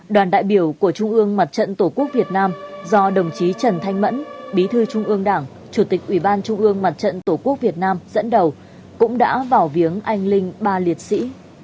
đoàn đại biểu của trung ương mặt trận tổ quốc việt nam do đồng chí trần thanh mẫn bí thư trung ương đảng chủ tịch ủy ban trung ương mặt trận tổ quốc việt nam dẫn đầu cũng đã vào viếng anh linh ba liệt sĩ